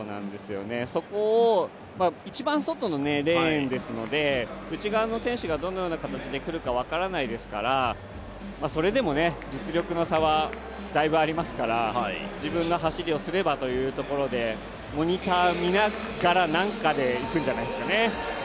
そこを一番外のレーンですので内側の選手がどのような形でくるか分からないですからそれでも、実力の差はだいぶありますから自分の走りをすればというところでモニター見ながらなんかで行くんじゃないですかね。